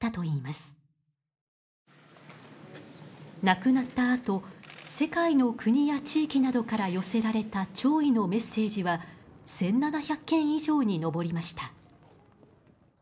亡くなったあと世界の国や地域などから寄せられた弔意のメッセージは１７００件以上に上りました。